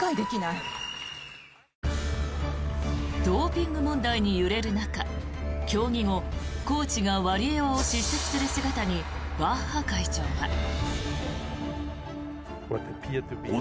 ドーピング問題に揺れる中競技後コーチがワリエワを叱責する姿にバッハ会長は。